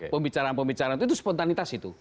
pembicaraan pembicaraan itu spontanitas itu